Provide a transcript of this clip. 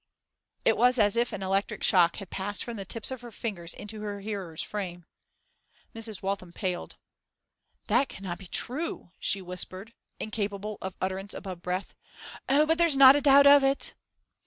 It was as if an electric shock had passed from the tips of her fingers into her hearer's frame. Mrs. Waltham paled. 'That cannot be true!' she whispered, incapable of utterance above breath. 'Oh, but there's not a doubt of it!